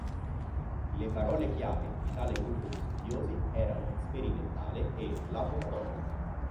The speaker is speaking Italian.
Le parole-chiave di tale gruppo di studiosi erano "sperimentale" e "laboratorio".